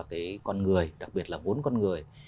một cái con người đặc biệt là vốn con người